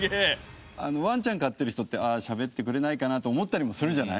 ワンちゃん飼ってる人ってああ喋ってくれないかなって思ったりもするじゃない？